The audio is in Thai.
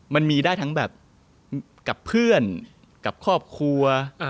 มันมีได้ทั้งแบบกับเพื่อนกับครอบครัว